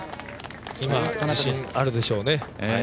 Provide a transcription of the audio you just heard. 今、自信あるでしょうね。